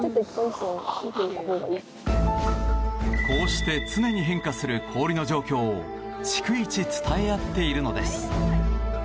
こうして常に変化する氷の状況を逐一伝え合っているのです。